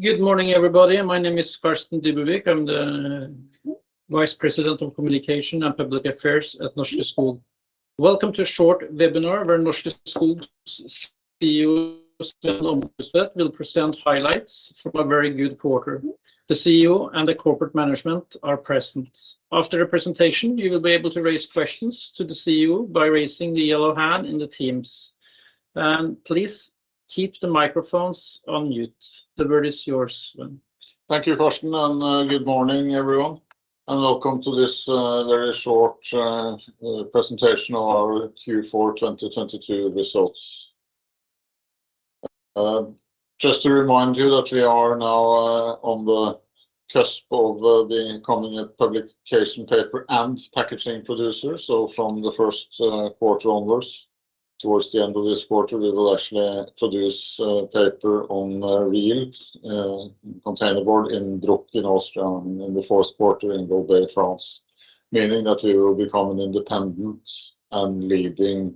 Good morning, everybody. My name is Carsten Dybevig. I'm the Vice President Communication and Public Affairs at Norske Skog. Welcome to a short webinar where Norske Skog's CEO, Sven Weum, will present highlights from a very good quarter. The CEO and the corporate management are present. After the presentation, you will be able to raise questions to the CEO by raising the yellow hand in the Teams. Please keep the microphones on mute. The word is yours, Sven. Thank you, Carsten, and good morning, everyone, and welcome to this very short presentation of our Q4 2022 results. Just to remind you that we are now on the cusp of becoming a publication paper and packaging producer. From the first quarter onwards, towards the end of this quarter, we will actually produce paper on reel, containerboard in Bruck in Austria and in the fourth quarter in Golbey, France, meaning that we will become an independent and leading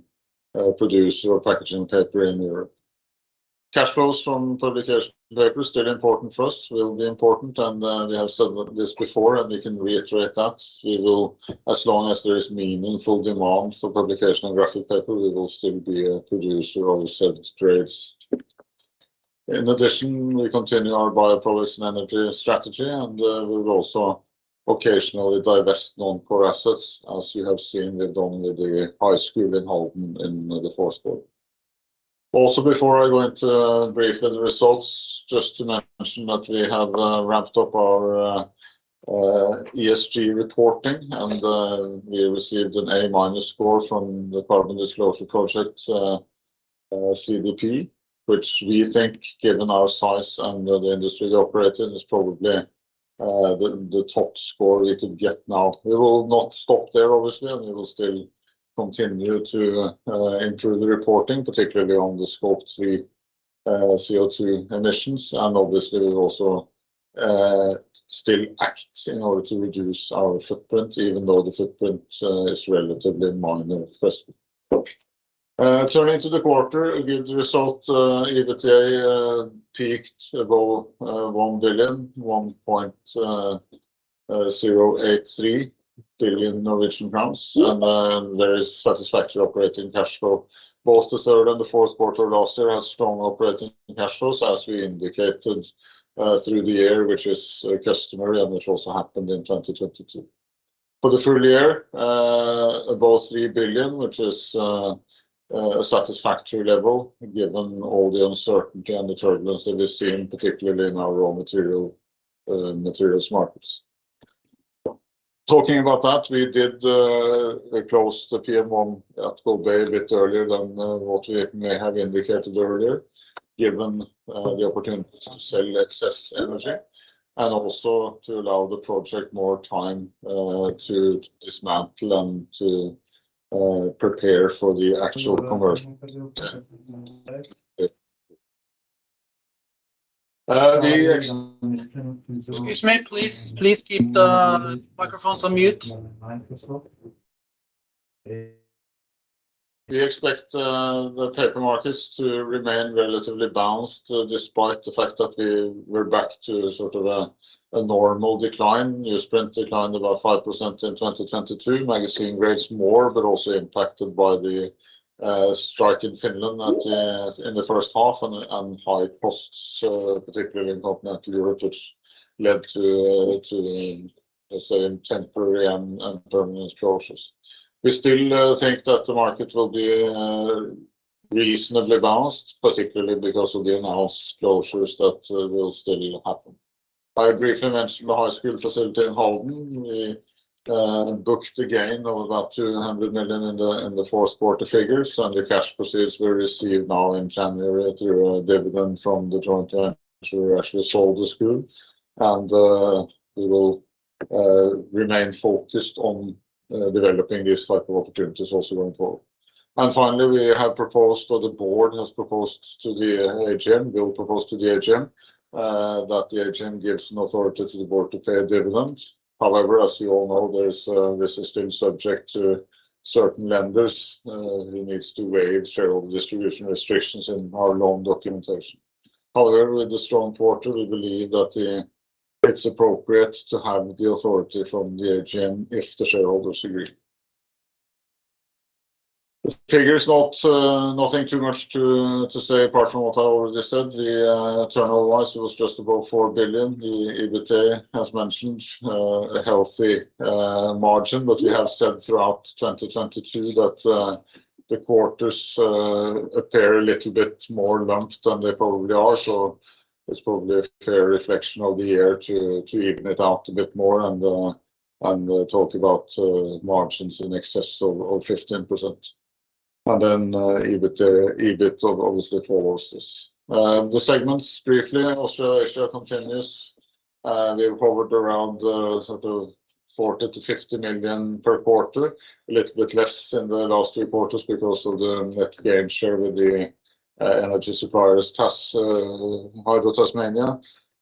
producer of packaging paper in Europe. Cash flows from publication paper is still important for us, will be important, and we have said this before, and we can reiterate that. As long as there is meaningful demand for publication and graphic paper, we will still be a producer of said grades. In addition, we continue our bioproducts and energy strategy, and we will also occasionally divest non-core assets. As you have seen, we've done with the high school in Halden in the fourth quarter. Before I go into briefly the results, just to mention that we have ramped up our ESG reporting and we received an A-minus score from the Carbon Disclosure Project, CDP, which we think, given our size and the industry we operate in, is probably the top score we could get now. We will not stop there, obviously, and we will still continue to improve the reporting, particularly on the Scope 3 CO2 emissions. Obviously we will also still act in order to reduce our footprint, even though the footprint is relatively minor at first. Turning to the quarter, a good result. EBITDA peaked above NOK 1.083 billion. There is satisfactory operating cash flow. Both the third and the fourth quarter last year has strong operating cash flows, as we indicated through the year, which is customary, and which also happened in 2022. For the full year, above 3 billion, which is a satisfactory level given all the uncertainty and the turbulence that we've seen, particularly in our raw materials markets. Talking about that, we closed the deal on Boyer a bit earlier than what we may have indicated earlier, given the opportunity to sell excess energy and also to allow the project more time to dismantle and to prepare for the actual conversion. Yeah. Excuse me, please keep the microphones on mute. We expect the paper markets to remain relatively balanced despite the fact that we're back to sort of a normal decline. Newsprint declined about 5% in 2022. Magazine grades more, but also impacted by the strike in Finland in the first half and high costs, particularly in Continental Europe, which led to the same temporary and permanent closures. We still think that the market will be reasonably balanced, particularly because of the announced closures that will still happen. I briefly mentioned the high school facility in Halden. We booked a gain of about 200 million in the fourth quarter figures, and the cash proceeds were received now in January through a dividend from the joint venture. We actually sold the school. We will remain focused on developing this type of opportunities also going forward. Finally, we have proposed, or the board has proposed to the AGM, will propose to the AGM, that the AGM gives an authority to the board to pay a dividend. However, as you all know, there's, this is still subject to certain lenders, who needs to waive shareholder distribution restrictions in our loan documentation. However, with the strong quarter, we believe that it's appropriate to have the authority from the AGM if the shareholders agree. The figures, not, nothing too much to say apart from what I already said. The turnover-wise, it was just above 4 billion. The EBITDA, as mentioned, a healthy margin. We have said throughout 2022 that the quarters appear a little bit more lumped than they probably are. It's probably a fair reflection of the year to even it out a bit more and talk about margins in excess of 15%. Then EBITDA, EBIT obviously follows this. The segments, briefly, Australia, Asia continues. They've hovered around sort of 40 million-50 million per quarter. A little bit less in the last 3 quarters because of the net gain share with the energy suppliers Hydro Tasmania.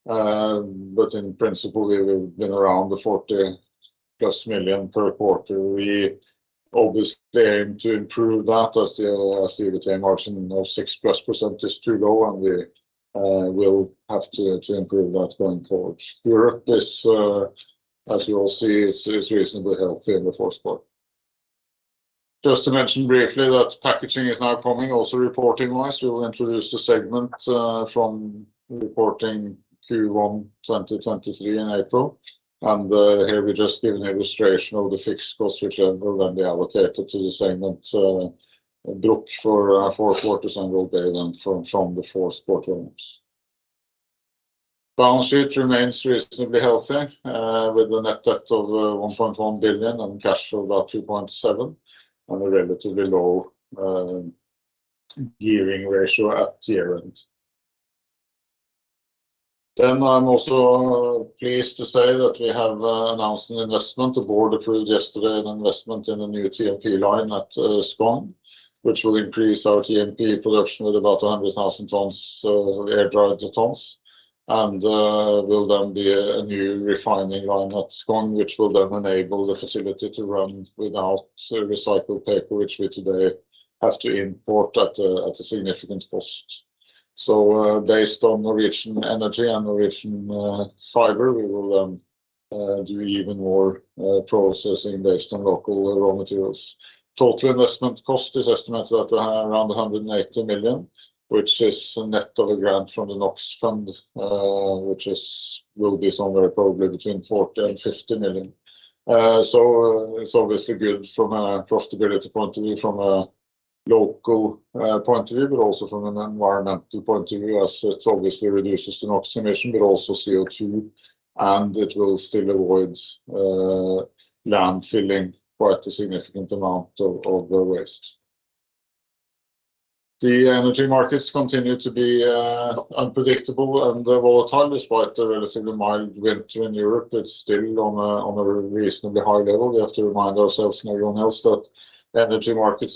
In principle, we've been around the 40+ million per quarter. We obviously aim to improve that as the EBITDA margin of 6+% is too low, and we will have to improve that going forward. Europe is, as you all see, is reasonably healthy in the fourth quarter. Just to mention briefly that packaging is now coming also reporting wise. We will introduce the segment from reporting Q1 2023 in April. Here we just give an illustration of the fixed costs, which are then allocated to the segment Bruck for 4 quarters and will be then from the fourth quarter onwards. Balance sheet remains reasonably healthy with a net debt of 1.1 billion and cash of about 2.7, and a relatively low gearing ratio at year-end. I'm also pleased to say that we have announced an investment. The board approved yesterday an investment in a new TMP line at Skogn, which will increase our TMP production with about 100,000 tons, so air dried tons. Will then be a new refining line at Skogn, which will then enable the facility to run without recycled paper, which we today have to import at a significant cost. Based on Norwegian energy and Norwegian fiber, we will do even more processing based on local raw materials. Total investment cost is estimated at around 180 million, which is net of a grant from the Enova fund, which will be somewhere probably between 40 million and 50 million. It's obviously good from a profitability point of view, from a local point of view, but also from an environmental point of view, as it obviously reduces the NOx emission, but also CO2, and it will still avoid land filling quite a significant amount of waste. The energy markets continue to be unpredictable and volatile despite the relatively mild winter in Europe. It's still on a reasonably high level. We have to remind ourselves and everyone else that energy markets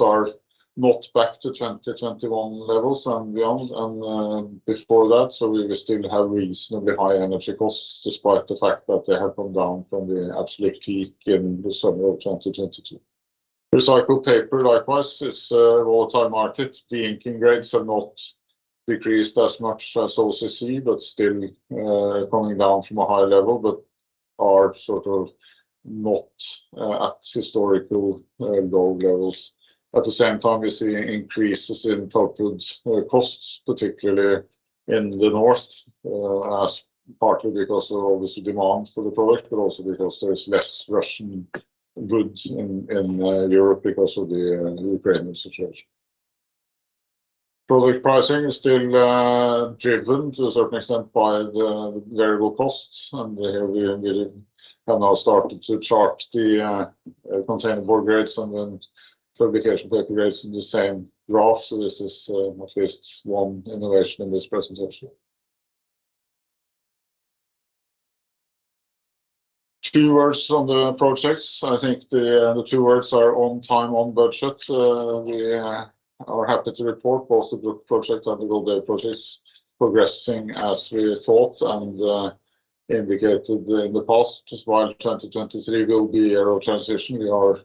are not back to 2021 levels and beyond, and, before that, so we still have reasonably high energy costs despite the fact that they have come down from the absolute peak in the summer of 2022. Recycled paper, likewise, is a volatile market. The de-inking grades have not decreased as much as OCC, but still, coming down from a high level, but are sort of not at historical low levels. At the same time, we're seeing increases in pulpwood costs, particularly in the north, as partly because of obviously demand for the product, but also because there is less Russian wood in Europe because of the Ukrainian situation. Product pricing is still driven to a certain extent by the variable costs. Here we really have now started to chart the containerboard grades and then publication paper grades in the same graph. This is at least one innovation in this presentation. Two words on the projects. I think the two words are on time, on budget. We are happy to report both the Bruck project and the Golbey project progressing as we thought and indicated in the past. Despite 2023 will be a year of transition, we are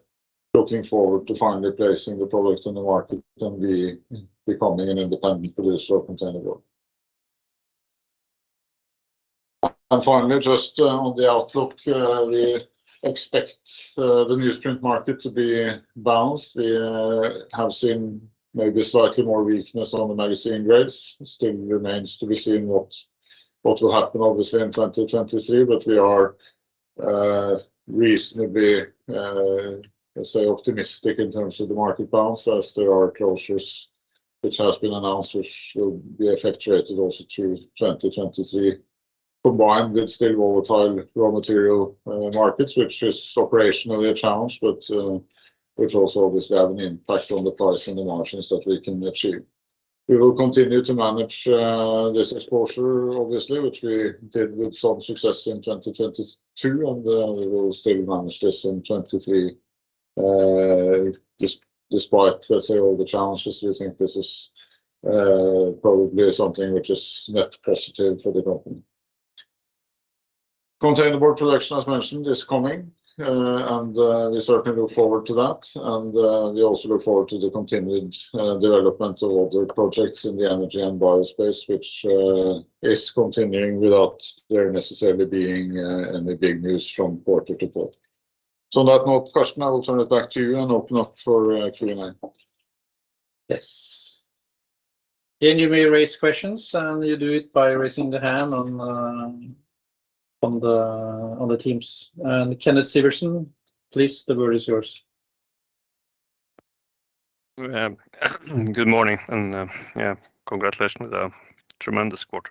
looking forward to finally placing the products in the market and be becoming an independent producer of containerboard. Finally, just on the outlook, we expect the newsprint market to be balanced. We have seen maybe slightly more weakness on the magazine grades. Still remains to be seen what will happen obviously in 2023. We are, reasonably, let's say, optimistic in terms of the market balance as there are closures which has been announced, which will be effectuated also through 2023. Combined with still volatile raw material markets, which is operationally a challenge, but which also obviously have an impact on the price and the margins that we can achieve. We will continue to manage this exposure obviously, which we did with some success in 2022, and we will still manage this in 2023. Despite, let's say, all the challenges, we think this is probably something which is net positive for the company. containerboard production, as mentioned, is coming, and we certainly look forward to that. We also look forward to the continued development of other projects in the energy and bio space, which is continuing without there necessarily being any big news from quarter to quarter. With that note, Carsten, I will turn it back to you and open up for Q&A. Yes. You may raise questions, and you do it by raising the hand on the, on the Teams. Kenneth Sivertsen, please, the word is yours. Good morning, congratulations. A tremendous quarter.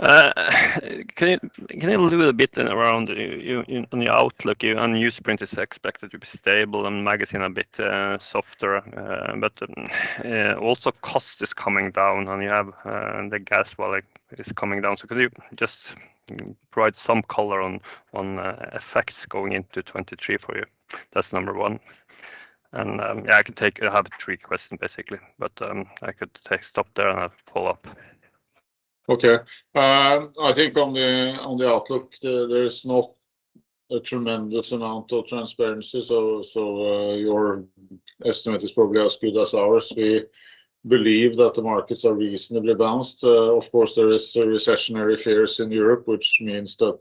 Can you elaborate a bit on the outlook? Newsprint is expected to be stable and magazine a bit softer. Also cost is coming down and you have the gas wallet is coming down. Could you just provide some color on effects going into 2023 for you? That's number one. I have three questions basically, but I could stop there and follow up. Okay. I think on the outlook there is not a tremendous amount of transparency. Your estimate is probably as good as ours. We believe that the markets are reasonably balanced. Of course, there is recessionary fears in Europe, which means that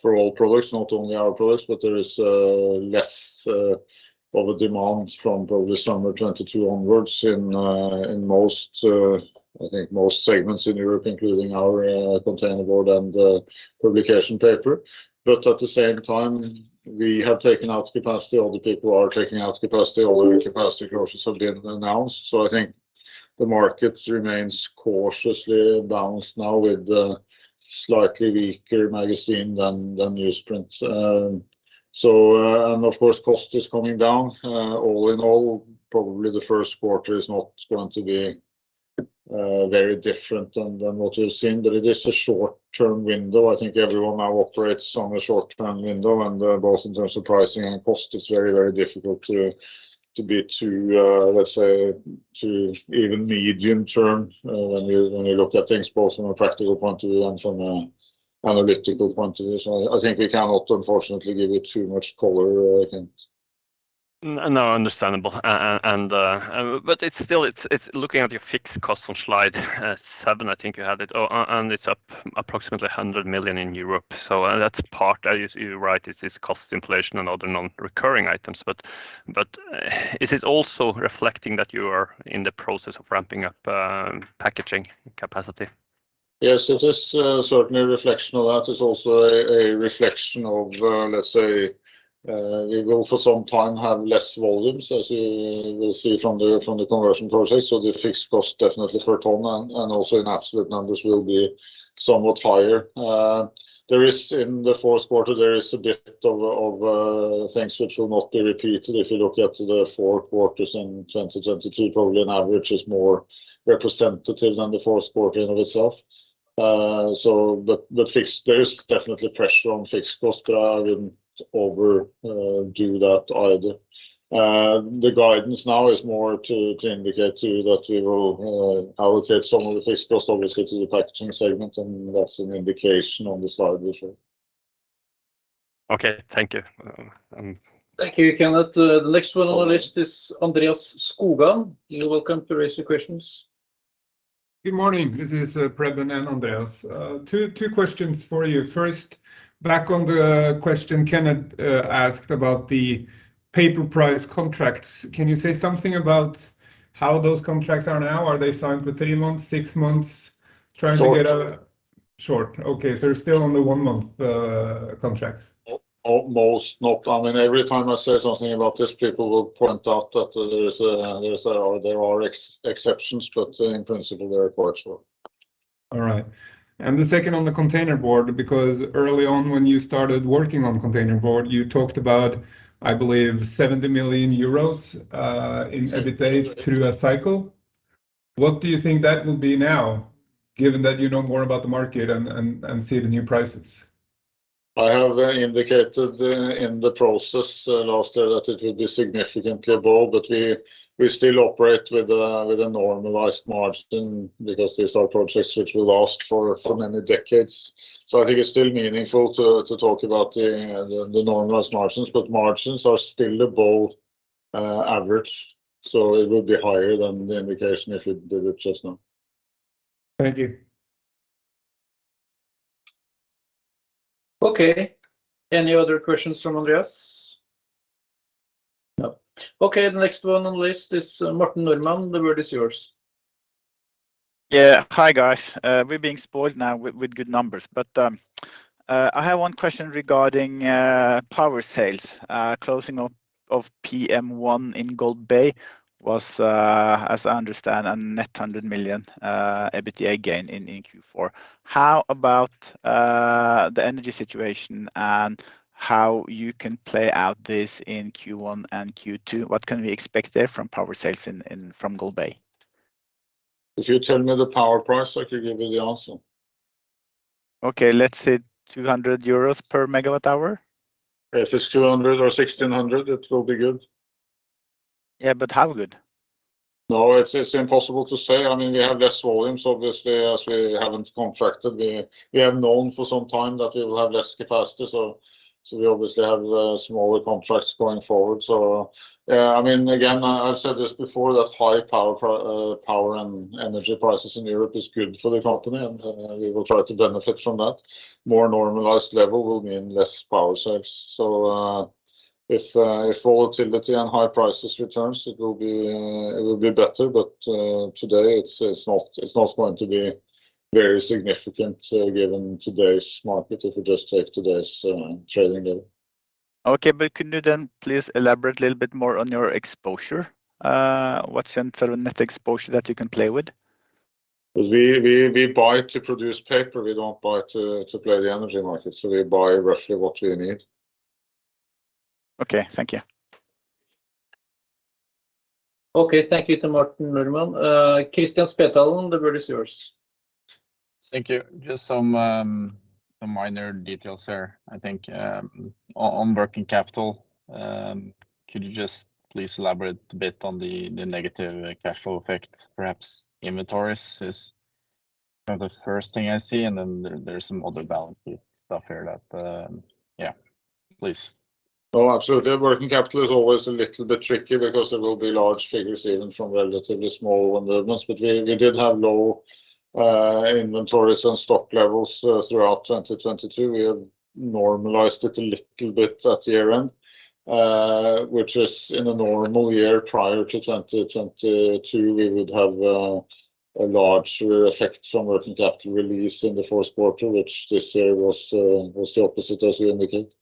for all products, not only our products, but there is less of a demand from probably summer 2022 onwards in most, I think most segments in Europe, including our containerboard and publication paper. At the same time, we have taken out capacity, other people are taking out capacity, other capacity closures have been announced. I think the market remains cautiously balanced now with slightly weaker magazine than newsprint. And of course, cost is coming down. All in all, probably the first quarter is not going to be very different than what we're seeing. It is a short-term window. I think everyone now operates on a short-term window. Both in terms of pricing and cost, it's very, very difficult to be too, let's say, too even medium term, when you, when you look at things both from a practical point of view and from an analytical point of view. We cannot unfortunately give it too much color, I think. No, understandable. It's still, it's looking at your fixed cost on slide seven, I think you had it. It's up approximately 100 million in Europe. That's part, as you're right, it is cost inflation and other non-recurring items. Is it also reflecting that you are in the process of ramping up packaging capacity? Yes. It is certainly a reflection of that. It's also a reflection of let's say, we will for some time have less volumes, as you will see from the conversion process. The fixed cost definitely hurt on and also in absolute numbers will be somewhat higher. There is, in the fourth quarter, there is a bit of things which will not be repeated. If you look at the 4 quarters in 2023, probably an average is more representative than the fourth quarter in of itself. There is definitely pressure on fixed cost, but I wouldn't over do that either. The guidance now is more to indicate to you that we will allocate some of the fixed cost obviously to the packaging segment. That's an indication on the slide we show. Okay. Thank you. Thank you, Kenneth. The next one on our list is Preben Rasch-Olsen. You're welcome to raise your questions. Good morning. This is Preben Rasch-Olsen. Two questions for you. First, back on the question Kenneth asked about the paper price contracts. Can you say something about how those contracts are now? Are they signed for three months, six months? Trying to get. Short. Short, okay. You're still on the one-month contracts? Almost. Not. I mean, every time I say something about this, people will point out that there is a, or there are exceptions, but in principle, they're quite short. All right. The second on the containerboard, because early on when you started working on containerboard, you talked about, I believe, 70 million euros in EBITDA through a cycle. What do you think that will be now, given that you know more about the market and see the new prices? I have indicated in the process, last year that it would be significantly above. We still operate with a normalized margin because these are projects which will last for many decades. I think it's still meaningful to talk about the normalized margins. Margins are still above average, so it will be higher than the indication if you did it just now. Thank you. Okay. Any other questions from Preben Rasch-Olsen? No. Okay. The next one on the list is Martin Norman. The word is yours. Yeah. Hi, guys. Uh, we're being spoiled now with, with good numbers, but, um, uh, I have one question regarding, uh, power sales. Uh, closing of, of PM1 in Golbey was, uh, as I understand, a net 100 million, uh, EBITDA gain in, in Q4. How about, uh, the energy situation and how you can play out this in Q1 and Q2? What can we expect there from power sales in, in, from Golbey? If you tell me the power price, I can give you the answer. Okay. Let's say 200 euros per megawatt hour. If it's 200 or 1,600, it will be good. Yeah, how good? No, it's impossible to say. I mean, we have less volumes obviously as we haven't contracted. We have known for some time that we will have less capacity, so we obviously have smaller contracts going forward. I mean, again, I've said this before, that high power and energy prices in Europe is good for the company, and we will try to benefit from that. More normalized level will mean less power sales. If volatility and high prices returns, it will be better. Today it's not going to be very significant, given today's market, if we just take today's trading level. Okay. Can you then please elaborate a little bit more on your exposure? What's in terms of net exposure that you can play with? We buy to produce paper. We don't buy to play the energy market. We buy roughly what we need. Okay. Thank you. Okay. Thank you to Martin Norman. Kristian Spetalen, the word is yours. Thank you. Just some A minor details there. I think on working capital, could you just please elaborate a bit on the negative cash flow effect? Perhaps inventories is, you know, the first thing I see, and then there's some other balance sheet stuff here that... Yeah. Please. Oh, absolutely. Working capital is always a little bit tricky because there will be large figures even from relatively small movements. We did have low inventories and stock levels throughout 2022. We have normalized it a little bit at the year end, which is in a normal year prior to 2022, we would have a larger effect from working capital release in the fourth quarter, which this year was the opposite as you indicate.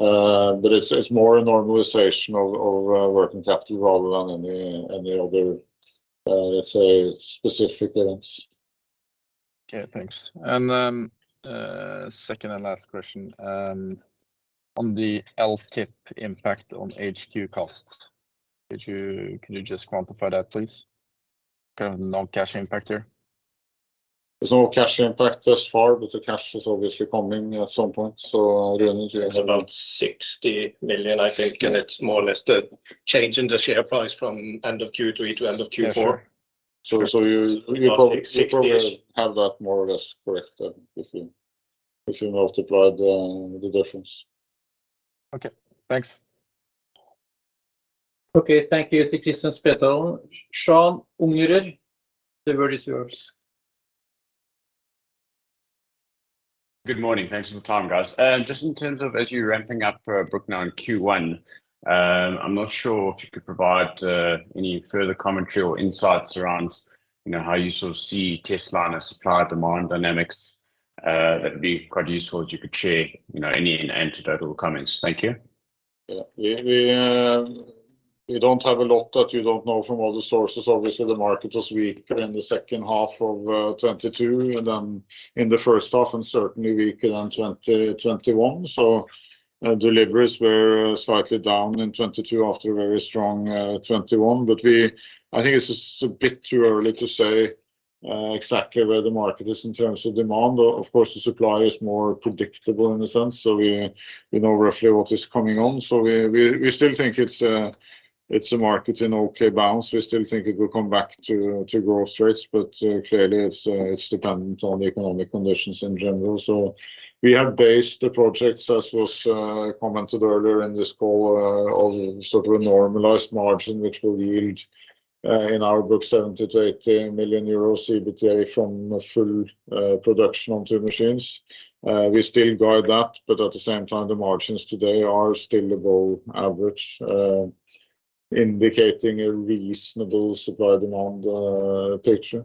It's more a normalization of working capital rather than any other, let's say, specific events. Okay, thanks. Second and last question, on the LTIP impact on HQ cost, could you just quantify that please? Kind of non-cash impact there. There's no cash impact thus far, but the cash is obviously coming at some point. Rune, do you want. It's about 60 million, I think, and it's more or less the change in the share price from end of Q3 to end of Q4. Yeah. you About 60-ish. you probably have that more or less correct then if you, if you multiply the difference. Okay, thanks. Okay, thank you to Christian Spetalen. Sven Ombudstvedt, the word is yours. Good morning. Thanks for the time, guys. Just in terms of as you're ramping up for Bruck now in Q1, I'm not sure if you could provide any further commentary or insights around, you know, how you sort of see testliner and supply-demand dynamics. That'd be quite useful if you could share, you know, any anecdotal comments. Thank you. Yeah. We, we don't have a lot that you don't know from other sources. Obviously, the market was weaker in the second half of 2022 and in the first half and certainly weaker than 2021. Deliveries were slightly down in 2022 after a very strong 2021. I think it's just a bit too early to say exactly where the market is in terms of demand. Of course, the supply is more predictable in a sense, we know roughly what is coming on. We still think it's a market in okay balance. We still think it will come back to growth rates, but clearly it's dependent on economic conditions in general. We have based the projects, as was commented earlier in this call, on sort of a normalized margin, which will yield in our Bruck 70 million-80 million euros EBITDA from a full production on two machines. We still guide that, but at the same time, the margins today are still above average, indicating a reasonable supply-demand picture.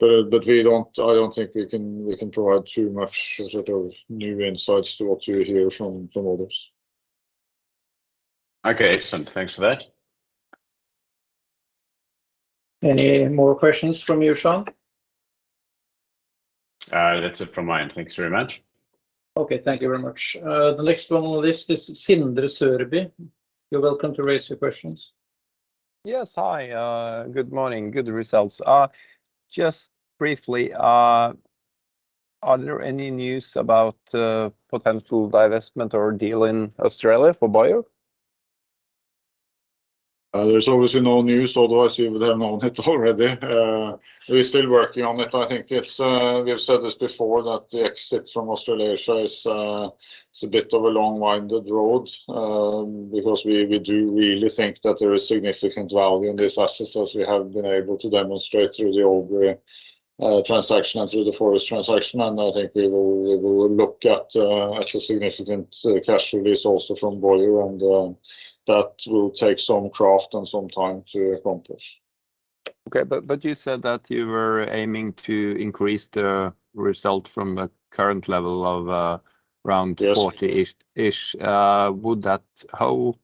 We don't... I don't think we can provide too much sort of new insights to what you hear from others. Okay, excellent. Thanks for that. Any more questions from you, Sven? That's it from my end. Thanks very much. Okay, thank you very much. The next one on the list is Sindre Sørbye. You're welcome to raise your questions. Yes. Hi, good morning. Good results. Just briefly, are there any news about a potential divestment or deal in Australia for Boyer? There's obviously no news, otherwise we would have known it already. We're still working on it. I think it's. We have said this before that the exit from Australasia is, it's a bit of a long-winded road, because we do really think that there is significant value in these assets as we have been able to demonstrate through the Albury transaction and through the Forest transaction. I think we will, we will look at a significant cash release also from Boyer. That will take some craft and some time to accomplish. Okay. You said that you were aiming to increase the result from the current level of, around- Yes... 40-ish. How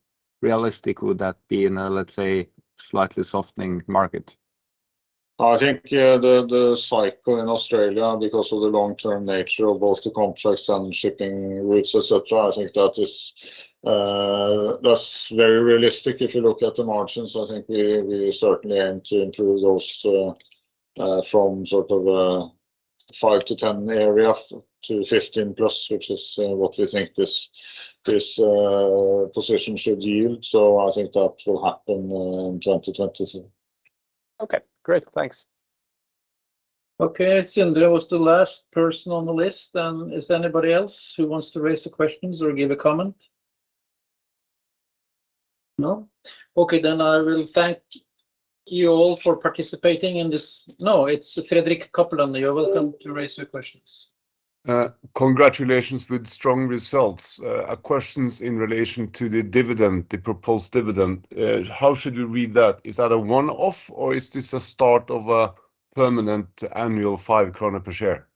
realistic would that be in a, let's say, slightly softening market? I think, yeah, the cycle in Australia, because of the long-term nature of both the contracts and shipping routes, et cetera, I think that is, that's very realistic. If you look at the margins, I think we certainly aim to improve those from sort of 5% to 10% area to 15%+, which is what we think this position should yield. I think that will happen in 2023. Okay, great. Thanks. Okay. Sindre was the last person on the list. Is there anybody else who wants to raise a questions or give a comment? No? I will thank you all for participating in this... No, it's Fredrik Kapperud. You're welcome to raise your questions. Congratulations with strong results. A questions in relation to the dividend, the proposed dividend. How should we read that? Is that a one-off, or is this a start of a permanent annual 5 krone per share?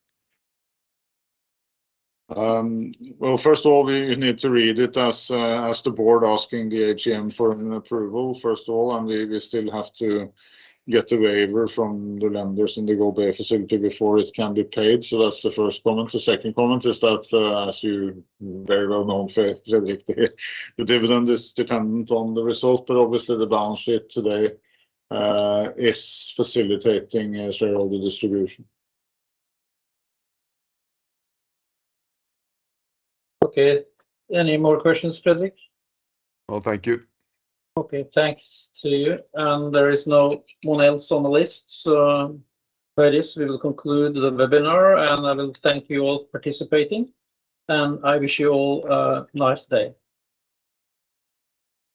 Well, first of all, we need to read it as the board asking the AGM for an approval, first of all, and we still have to get the waiver from the lenders in the Golbey facility before it can be paid. That's the first comment. The second comment is that, as you very well know, Fredrik, the dividend is dependent on the result. Obviously the balance sheet today is facilitating a shareholder distribution. Okay. Any more questions, Fredrik? No, thank you. Okay, thanks to you. There is no one else on the list. By this, we will conclude the webinar, and I will thank you all participating, and I wish you all a nice day.